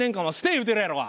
言うてるやろが。